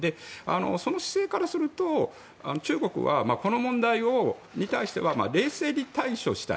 その姿勢からすると中国はこの問題に対しては冷静に対処したい。